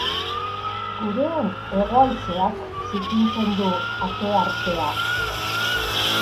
Gurean hego haizeak zikintzen du ateartea.